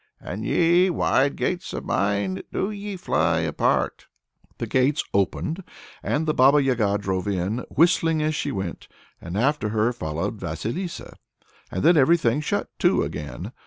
And ye, wide gates of mine, do ye fly open!" The gates opened, and the Baba Yaga drove in, whistling as she went, and after her followed Vasilissa; and then everything shut to again.